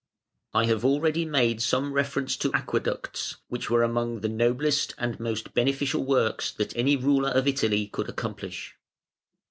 ] I have already made some reference to Aqueducts, which were among the noblest and most beneficial works that any ruler of Italy could accomplish.